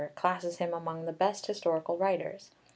45), classes him among the best historical writers.